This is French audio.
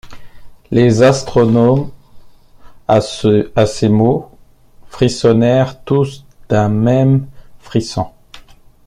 Les astronomes, à ces mots, frissonnèrent tous d’un même frisson.